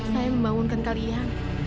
saya membangunkan kalian